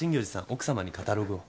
奥様にカタログを。